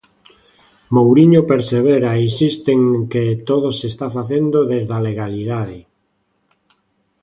Mouriño persevera e insiste en que todo se está facendo desde a legalidade.